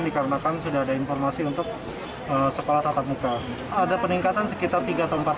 dikarenakan sudah ada informasi untuk sekolah tatap muka ada peningkatan sekitar tiga tempat